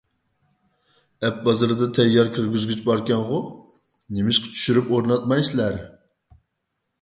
ئەپ بازىرىدا تەييار كىرگۈزگۈچ باركەنغۇ؟ نېمىشقا چۈشۈرۈپ ئورناتمايسىلەر؟